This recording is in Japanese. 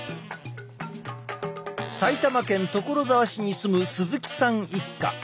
埼玉県所沢市に住む鈴木さん一家。